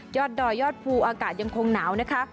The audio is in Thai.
ดอยยอดภูอากาศยังคงหนาวนะคะ